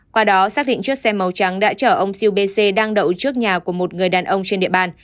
qua đó xác định chiếc xe màu trắng đã chở ông siêu b c đang đậu trước nhà của một người đàn ông trên địa bàn